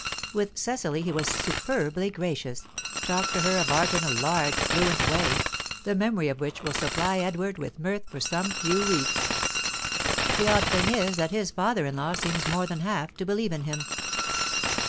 With Cecily he was superbly gracious talked to her of art in a large, fluent way, the memory of which will supply Edward with mirth for some few weeks. The odd thing is that his father in law seems more than half to believe in him."